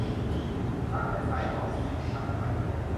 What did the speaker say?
รักในสายหมอก - ศิริรำไพ